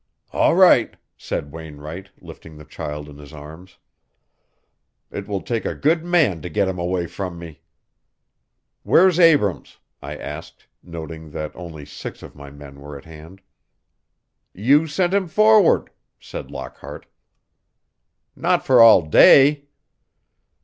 "All right," said Wainwright, lifting the child in his arms. "It will take a good man to get him away from me." "Where's Abrams?" I asked, noting that only six of my men were at hand. "You sent him forward," said Lockhart. "Not for all day."